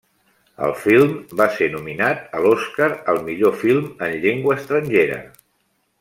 El film va ser nominat a l'Oscar al millor film en llengua estrangera.